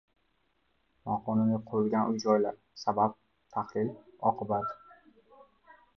Noqonuniy qurilgan uy-joylar: sabab, tahlil, oqibat